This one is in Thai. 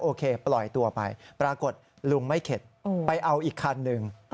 ปล่อยตัวไปปรากฏลุงไม่เข็ดไปเอาอีกคันหนึ่ง